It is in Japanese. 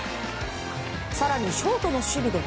更に、ショートの守備では